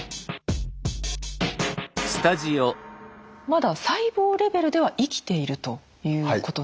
まだ細胞レベルでは生きているということなんですか？